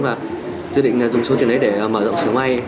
và dự định dùng số tiền đấy để mở rộng sửa may